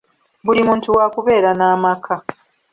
Buli muntu wa kubeera n’amaka.